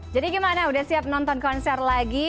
jadi gimana udah siap nonton konser lagi